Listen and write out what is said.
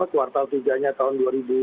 kuartal tiga nya tahun dua ribu dua puluh